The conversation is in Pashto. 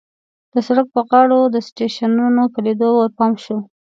د سړک په غاړو د سټېشنونو په لیدو ورپام شو.